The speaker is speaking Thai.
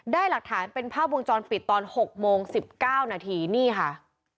ได้หลักฐานเป็นภาพวงจรปิดตอน๖โมง๑๙นาทีนี่ค่ะ